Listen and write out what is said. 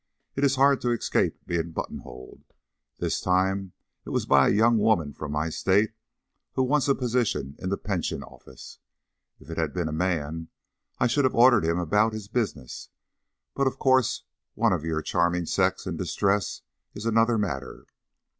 It is hard to escape being buttonholed. This time it was by a young woman from my State who wants a position in the Pension Office. If it had been a man I should have ordered him about his business, but of course one of your charming sex in distress is another matter.